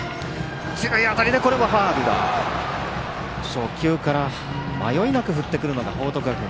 初球から迷いなく振ってくるのが報徳学園。